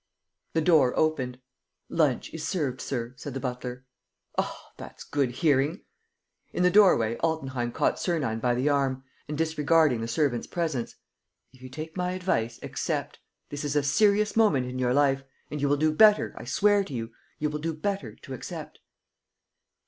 The door opened. "Lunch is served, sir," said the butler. "Ah, that's good hearing!" In the doorway, Altenheim caught Sernine by the arm and, disregarding the servant's presence: "If you take my advice ... accept. This is a serious moment in your life ... and you will do better, I swear to you, you will do better ... to accept.